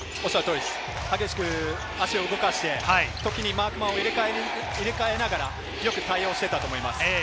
激しく足を動かして、時にはマークを入れ替えながら、よく対応をしていたと思います。